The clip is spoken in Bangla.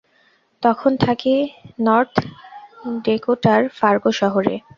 তখন থাকি নর্থ ডেকোটার ফার্গো শহরে।